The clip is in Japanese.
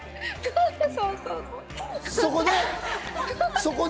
そこで？